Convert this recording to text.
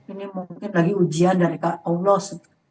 ini mungkin lagi ujian dari allah